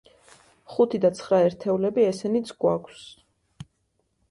ხუთი და ცხრა ერთეულები, ესენიც გვაქვს.